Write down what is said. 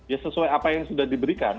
ya sesuai apa yang sudah diberikan